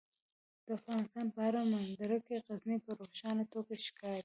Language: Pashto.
د افغانستان په هره منظره کې غزني په روښانه توګه ښکاري.